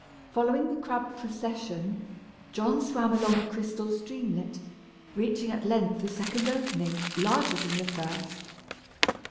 Following the crab procession, John swam along a crystal streamlet, reaching at length a second opening, larger than the first.